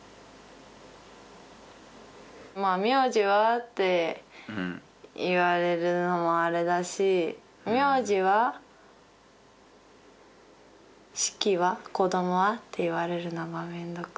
まあ「名字は？」って言われるのもあれだし「名字は？式は？子どもは？」って言われるのが面倒くさい。